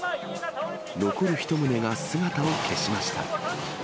残る１棟が姿を消しました。